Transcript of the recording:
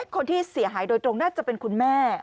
คนที่เสียหายโดยตรงน่าจะเป็นคุณแม่